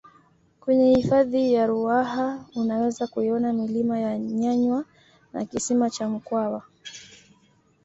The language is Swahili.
kwenye hifadhi ya ruaha unaweza kuiona milima ya nyanywa na kisima cha mkwawa